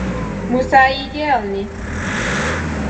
Muszáj így élni?